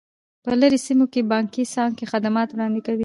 په لیرې سیمو کې بانکي څانګې خدمات وړاندې کوي.